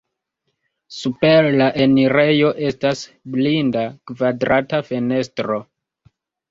Super la enirejo estas blinda kvadrata fenestro.